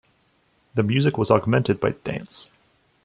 The music was augmented by dance.